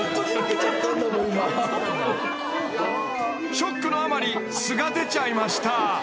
［ショックのあまり素が出ちゃいました］